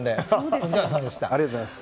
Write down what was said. お疲れさまでした。